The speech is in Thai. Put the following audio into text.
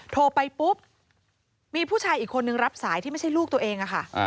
โทรไปปุ๊บมีผู้ชายอีกคนนึงรับสายที่ไม่ใช่ลูกตัวเองค่ะ